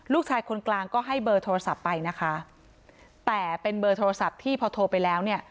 ลูกชายคนกลางก็ให้เบอร์โทรศัพท์ไปนะคะแต่เป็นเบอร์โทรศัพท์ที่พอโทรไปแล้วเนี่ย